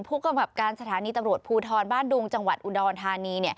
ผู้กำกับการสถานีตำรวจภูทรบ้านดุงจังหวัดอุดรธานี